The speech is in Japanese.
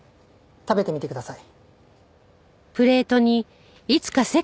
食べてみてください。